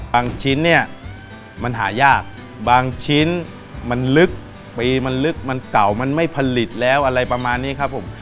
ชิ้นเนี่ยมันหายากบางชิ้นมันลึกปีมันลึกมันเก่ามันไม่ผลิตแล้วอะไรประมาณนี้ครับผม